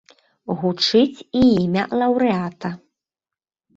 Гучыць і імя лаўрэата.